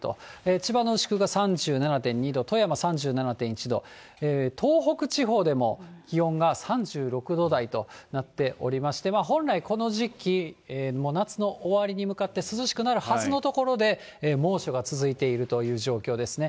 千葉の牛久が３７．２度、富山３７．１度、東北地方でも気温が３６度台となっておりまして、本来、この時期、もう夏の終わりに向かって涼しくなるはずのところで、猛暑が続いているという状況ですね。